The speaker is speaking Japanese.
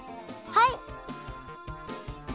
はい！